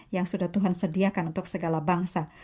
yang sudah tuhan sediakan untuk segala bangsa